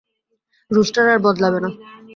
Rooster আর বদলাবে না।